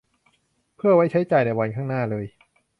เพื่อไว้ใช้จ่ายในวันข้างหน้าเลย